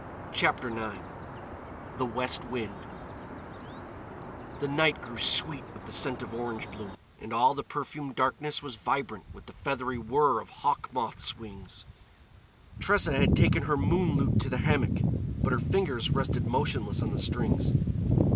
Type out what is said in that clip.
CHAPTER IX THE WEST WIND The night grew sweet with the scent of orange bloom, and all the perfumed darkness was vibrant with the feathery whirr of hawk moths' wings. Tressa had taken her moon lute to the hammock, but her fingers rested motionless on the strings.